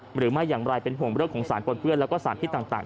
หรือไม่อย่างไรเป็นห่วงเลือกของสารเพื่อนเพื่อนและสานพิธีต่าง